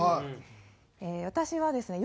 私はですね